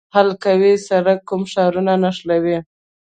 حلقوي سړک کوم ښارونه نښلوي؟